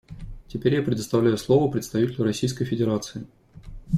Теперь я предоставляю слово представителю Российской Федерации.